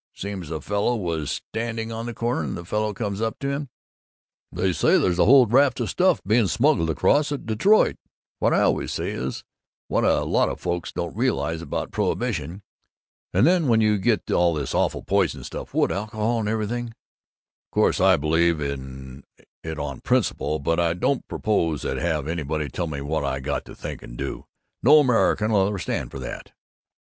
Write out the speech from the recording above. Seems this fellow was standing on the corner and fellow comes up to him " "They say there's a whole raft of stuff being smuggled across at Detroit " "What I always say is what a lot of folks don't realize about prohibition " "And then you get all this awful poison stuff wood alcohol and everything " "Course I believe in it on principle, but I don't propose to have anybody telling me what I got to think and do. No American'll ever stand for that!"